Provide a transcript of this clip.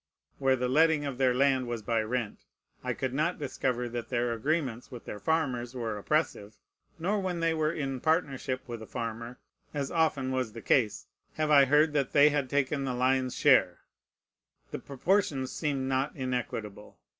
Where the letting of their land was by rent, I could not discover that their agreements with their farmers were oppressive; nor when they were in partnership with the farmer, as often was the case, have I heard that they had taken the lion's share. The proportions seemed not inequitable.